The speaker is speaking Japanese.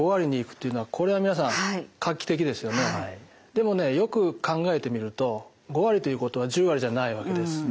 でもねよく考えてみると５割ということは１０割じゃないわけです。